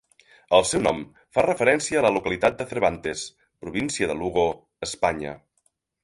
El seu nom fa referència a la localitat de Cervantes, Província de Lugo, Espanya.